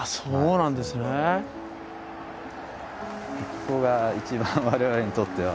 ここが一番我々にとっては。